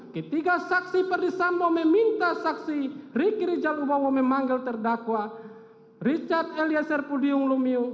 ketika saksi perdisambo meminta saksi riki rijalubowo memanggil terdakwa richard eliezer pudium lumiu